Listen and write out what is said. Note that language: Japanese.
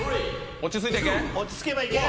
落ち着いていけ。